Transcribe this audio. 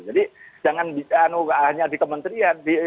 jadi jangan hanya di kementerian